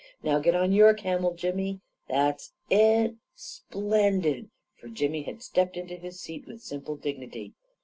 Now get on your camel, Jimmy ! That's it I Splendid !" for Jimmy had stepped into his seat with simple dignity.